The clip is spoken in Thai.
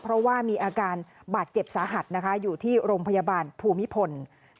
เพราะว่ามีอาการบาดเจ็บสาหัสนะคะอยู่ที่โรงพยาบาลภูมิพล